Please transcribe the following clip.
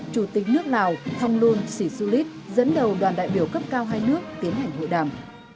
chủ tịch nước lào thông luân sì xu lít dẫn đầu đoàn đại biểu cấp cao hai nước tiến hành hội đàm